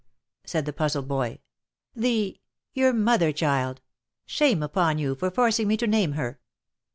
said the puzzled boy. f< The — your mother, child. — Shame upon you for forcing me to name her !"